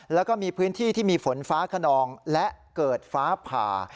แล้วก็มีพื้นที่ที่มีฝนฟ้าขนองและเกิดฟ้าผ่า